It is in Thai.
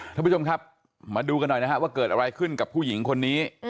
ท่านผู้ชมครับมาดูกันหน่อยนะฮะว่าเกิดอะไรขึ้นกับผู้หญิงคนนี้